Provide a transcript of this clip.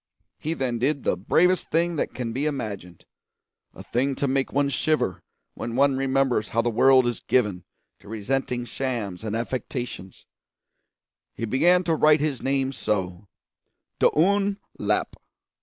He then did the bravest thing that can be imagined a thing to make one shiver when one remembers how the world is given to resenting shams and affectations; he began to write his name so: d'Un Lap.